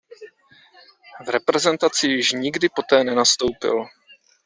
V reprezentaci již nikdy poté nenastoupil.